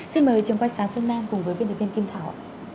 xin mời trường quay sáng phương nam cùng với viên địa viên kim thảo